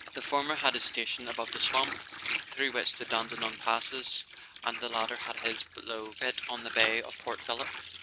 The former had his station above the swamp through which the Dandenong passes, and the latter had his below it on the bay of Port Phillip.